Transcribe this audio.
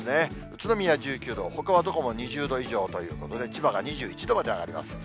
宇都宮１９度、ほかはどこも２０度以上ということで、千葉が２１度まで上がります。